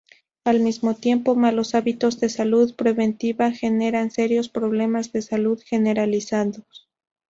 Al mismo tiempo, malos hábitos de salud preventiva generan serios problemas de salud generalizados.